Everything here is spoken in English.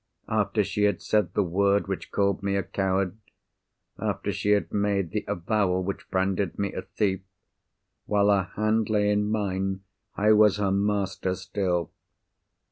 After she had said the word which called me a coward, after she had made the avowal which branded me as a thief—while her hand lay in mine I was her master still!